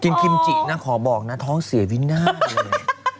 กินกิมจี่น่ะขอบอกนะท้องเสียวินาธิ์เลย